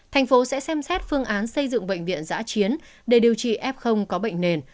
thành phố sẽ xem xét phương án xây dựng bệnh viện giã chiến để điều trị f có bệnh nền